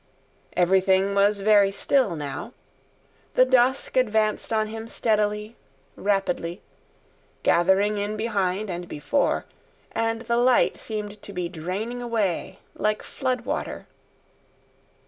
Everything was very still now. The dusk advanced on him steadily, rapidly, gathering in behind and before; and the light seemed to be draining away like flood water.